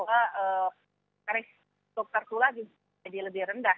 jadi kita tahu bahwa resiko tertular bisa jadi lebih rendah